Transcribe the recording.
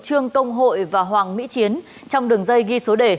trương công hội và hoàng mỹ chiến trong đường dây ghi số đề